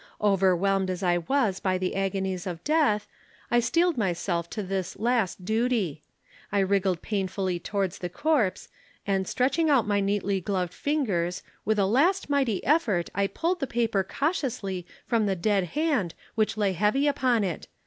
Overwhelmed as I was by the agonies of death, I steeled myself to this last duty. I wriggled painfully towards the corpse, and stretching out my neatly gloved fingers, with a last mighty effort I pulled the paper cautiously from the dead hand which lay heavy upon it.